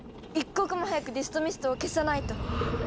一刻も早くディストミストを消さないと。